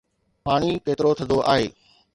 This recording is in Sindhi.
پاڻي ڪيترو ٿڌو آهي؟